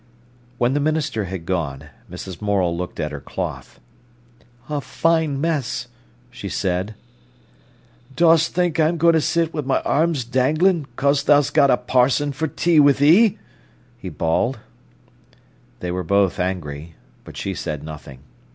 When the minister had gone, Mrs. Morel looked at her cloth. "A fine mess!" she said. "Dos't think I'm goin' to sit wi' my arms danglin', cos tha's got a parson for tea wi' thee?" he bawled. They were both angry, but she said nothing.